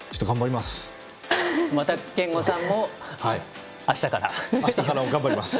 また憲剛さんもあしたから頑張ります！